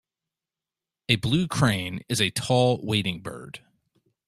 A blue crane is a tall wading bird.